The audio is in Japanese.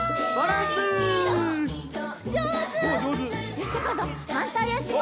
よしじゃこんどはんたいあしも。